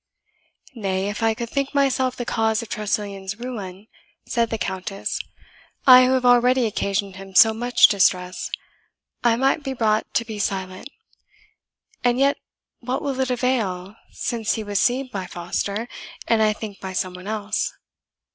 "Nay, if I could think myself the cause of Tressilian's ruin," said the Countess, "I who have already occasioned him so much distress, I might be brought to be silent. And yet what will it avail, since he was seen by Foster, and I think by some one else?